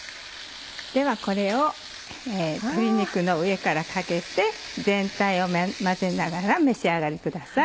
ではこれを鶏肉の上からかけて全体を混ぜながら召し上がりください。